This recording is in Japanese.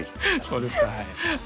そうですか。